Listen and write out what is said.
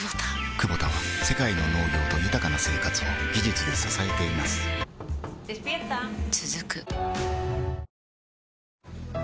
クボタは世界の農業と豊かな生活を技術で支えています起きて。